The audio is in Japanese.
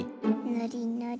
ぬりぬり。